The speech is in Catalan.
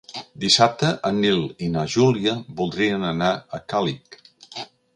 Dissabte en Nil i na Júlia voldrien anar a Càlig.